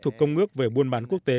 thuộc công ước về buôn bán quốc tế